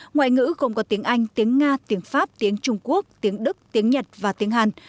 ngoại ngữ gồm có tiếng anh tiếng nga tiếng pháp tiếng trung quốc tiếng đức tiếng nhật và tiếng hàn